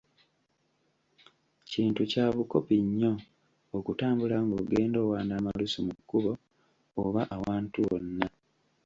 Kintu kya bukopi nnyo okutambula ng’ogenda owanda omalusu mu kkubo, oba awantu wonna.